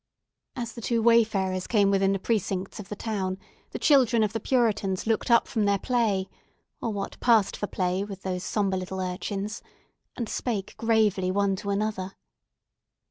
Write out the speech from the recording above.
As the two wayfarers came within the precincts of the town, the children of the Puritans looked up from their play,—or what passed for play with those sombre little urchins—and spoke gravely one to another.